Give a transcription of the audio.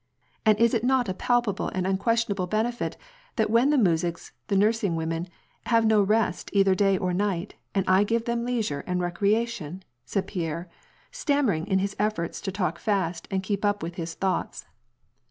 And is it not a palpable and unquestionable benefit that when the muzhiks, the nursing women, have no rest either day or night, and I give them leisure and recreation ?" said Pierre, stammering in his efforts to talk fast and keep up with his thoughts.